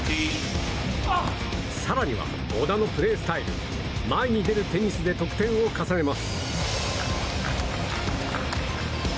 更には、小田のプレースタイル前に出るテニスで得点を重ねます。